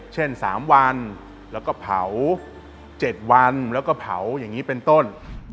เช่น๓วันแล้วก็เผา๗วันแล้วก็เผาอย่างนี้เป็นต้น